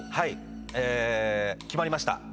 え決まりました。